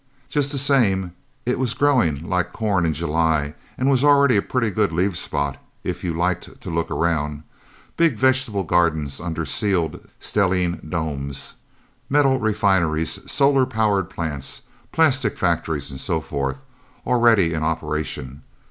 Just the same, it was growing like corn in July, and was already a pretty good leave spot, if you liked to look around. Big vegetable gardens under sealed, stellene domes. Metal refineries, solar power plants, plastic factories and so forth, already in operation...